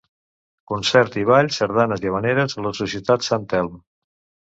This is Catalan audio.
Concert i ball, sardanes i havaneres a la Societat Sant Telm.